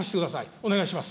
お願いします。